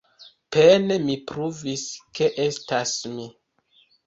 Pene mi pruvis ke estas mi.